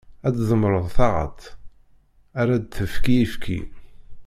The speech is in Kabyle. Ar tdemmreḍ taɣaṭ, ar ad d-tefk ayefki.